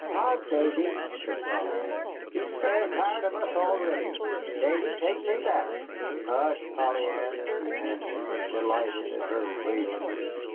"Hark, Davy!" said Polly Ann, "he's fair tired of us already. Davy, take me back." "Hush, Polly Ann," he answered, delighted at her raillery.